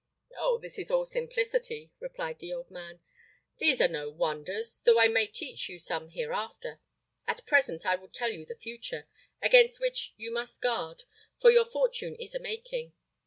"Oh, this is all simplicity!" replied the old man; "these are no wonders, though I may teach you some hereafter. At present I will tell you the future, against which you must guard, for your fortune is a making."